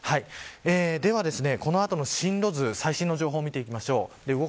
ではこの後の進路図最新の情報を見ていきましょう。